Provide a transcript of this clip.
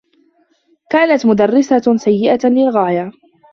كانت مدرّسة سيّئة للغاية.